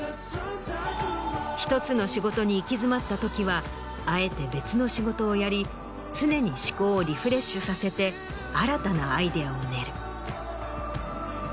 １つの仕事に行き詰まったときはあえて別の仕事をやり常に思考をリフレッシュさせて新たなアイデアを練る。